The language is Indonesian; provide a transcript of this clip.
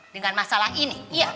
dengan masalah ini iya